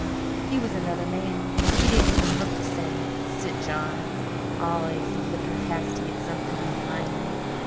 He was another man. He didn't even look the same. Sich eyes! Al'ays looking past ye at something behind ye.